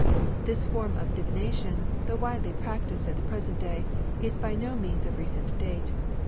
This form of divination, though widely practised at the present day, is by no means of recent date.